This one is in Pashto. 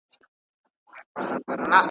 هیلۍ وویل کشپه یوه چار سته .